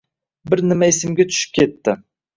Bir nima esiga tushib ketdi.